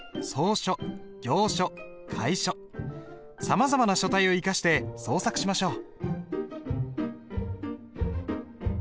さまざまな書体を生かして創作しましょう。